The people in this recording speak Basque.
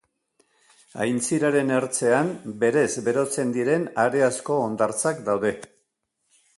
Aintziraren ertzean berez berotzen diren hareazko hondartzak daude.